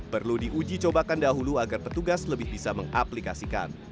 perlu diuji cobakan dahulu agar petugas lebih bisa mengaplikasikan